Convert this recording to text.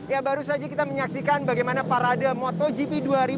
ya baru saja kita menyaksikan bagaimana parade motogp dua ribu dua puluh